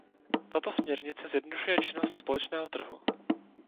Tato směrnice zjednodušuje činnost společného trhu.